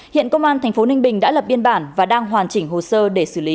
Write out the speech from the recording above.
hiện công an tp ninh bình đã lập biên bản và đang hoàn chỉnh hồ sơ để xử lý